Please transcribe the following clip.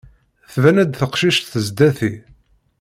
Tban-d teqcict sdat-i.